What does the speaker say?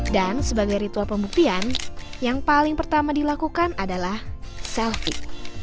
dan sebagai ritual pembuktian yang paling pertama dilakukan adalah selfie